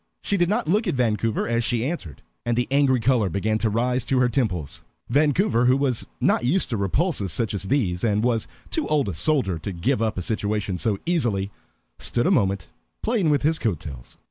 She did not look at Vancouver as she answered, and the angry color began to rise to her temples. Vancouver, who was not used to repulses such as these, and was too old a soldier to give up a situation so easily, stood a moment playing with his coat tails.